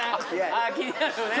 あ気になるよね